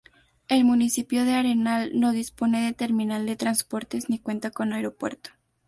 El Municipio de Arenal no dispone de Terminal de Transportes ni cuenta con Aeropuerto.